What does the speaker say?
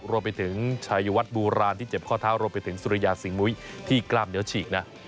รวมไปถึงชายวัดโบราณที่เจ็บข้อเท้ารวมไปถึงสุริยาสิงมุ้ยที่กล้ามเนื้อฉีกนะ